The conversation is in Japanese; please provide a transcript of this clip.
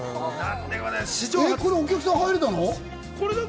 これお客さん入れたの？